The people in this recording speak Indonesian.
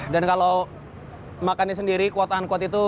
dan kalau makannya sendiri kuat tahan kuat itu